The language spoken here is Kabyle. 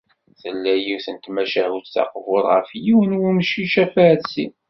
Tella yiwet n tmacahut taqburt ɣef yiwen n wemcic afarsi.